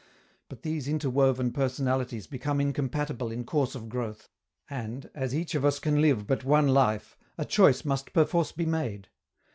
But these interwoven personalities become incompatible in course of growth, and, as each of us can live but one life, a choice must perforce be made.